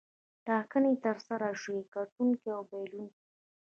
ټاکنې ترسره شوې ګټونکی او بایلونکی.